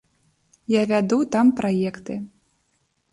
Я вяду там праекты.